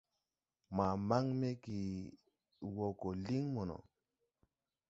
Ma maŋ me ge wɔ gɔ liŋ mono.